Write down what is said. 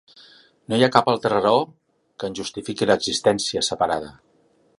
No hi ha cap altra raó que en justifiqui l’existència separada.